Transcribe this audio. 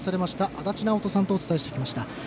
足達尚人さんとお伝えしてまいりました。